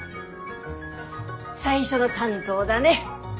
最初の担当だね。